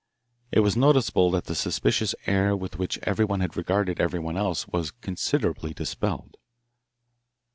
It was noticeable that the suspicious air with which everyone had regarded everyone else was considerably dispelled.